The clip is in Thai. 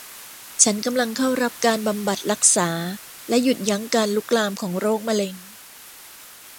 ฉันกำลังเข้ารับการบำบัดรักษาและหยุดยั้งการลุกลามของโรคมะเร็ง